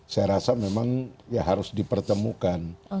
saya rasa memang ya harus dipertemukan